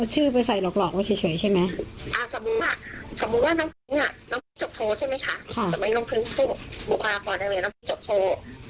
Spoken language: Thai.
จบโทรใช่ไหมคะจะไม่ลงพื้นผู้บุคลากรได้ไหมนะจบโทร